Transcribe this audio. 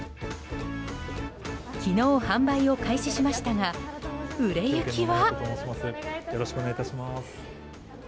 昨日発売を開始しましたが売れ行きは。